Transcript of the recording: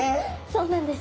そうなんです。